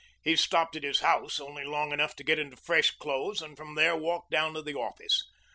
He stopped at his house only long enough to get into fresh clothes and from there walked down to the office.